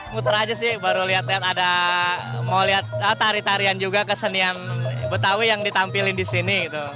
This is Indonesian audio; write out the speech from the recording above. muter aja sih baru lihat lihat ada mau lihat tari tarian juga kesenian betawi yang ditampilin di sini